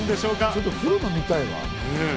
ちょっとプロのを見たいわ。